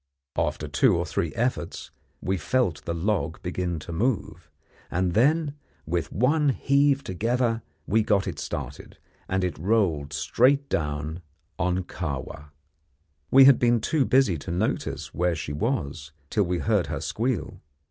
After two or three efforts we felt the log begin to move, and then, with one heave together, we got it started, and it rolled straight down on Kahwa. We had been too busy to notice where she was till we heard her squeal.